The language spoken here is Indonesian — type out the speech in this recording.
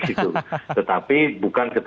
tetapi bukan ketua umum bukan sekjen bukan bentuk